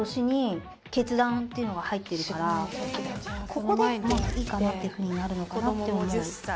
ここでまあいいかなっていうふうになるのかなって思う。